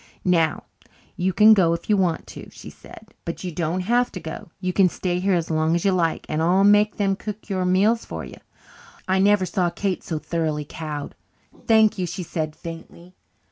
"Now, you can go if you want to," she said, "but you don't have to go. You can stay here as long as you like, and I'll make them cook your meals for you." I never saw Kate so thoroughly cowed. "Thank you," she said faintly.